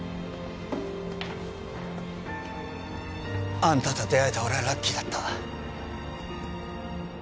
あんたと出会えた俺はラッキーだった